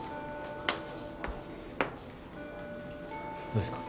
どうですか？